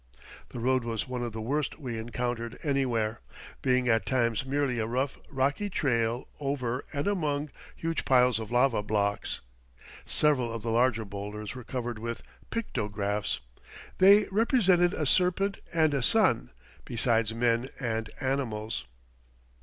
The road was one of the worst we encountered anywhere, being at times merely a rough, rocky trail over and among huge piles of lava blocks. Several of the larger boulders were covered with pictographs. They represented a serpent and a sun, besides men and animals.